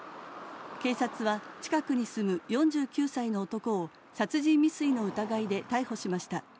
警察は近くに住む４９歳の男を殺人未遂の疑いで逮捕しました。